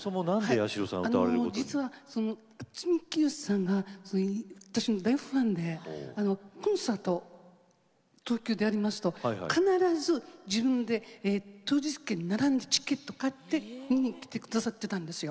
実は、渥美清さんが私の大ファンで、コンサートが東京でありますと必ず自分で当日券に並んでチケットを買って見に来てくださっていたんですよ。